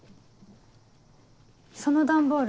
その段ボール